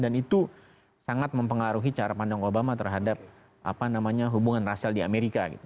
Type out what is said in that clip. dan itu sangat mempengaruhi cara pandang obama terhadap hubungan rasial di amerika